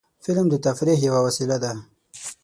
فلم د تفریح یوه وسیله ده